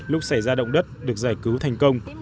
lúc xảy ra động đất được giải cứu thành công